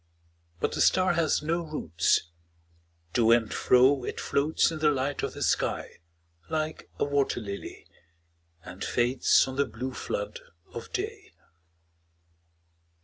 'But a star has no roots : to and fro It floats in the light of the sky, like a wat«r ]ily. And fades on the blue flood of day.